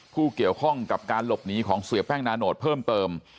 ผู้เกี่ยวข้องกับการหลบหนีของเสียแป้งนาโนตเพิ่มเติม